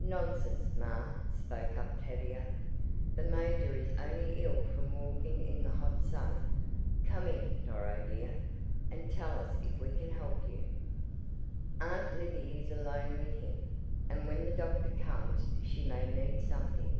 "Nonsense, ma," spoke up Tavia. "The major is only ill from walking in the hot sun. Come in, Doro dear, and tell us if we can help you." "Aunt Libby is alone with him, and when the doctor comes she may need something.